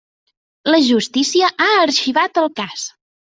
La justícia ha arxivat el cas.